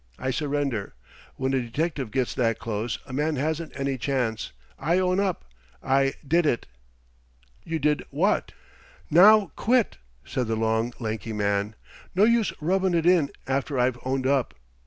I surrender. When a detective gets that close, a man hasn't any chance. I own up. I did it." "You did what?" "Now, quit!" said the long, lanky man. "No use rubbin' it in after I've owned up.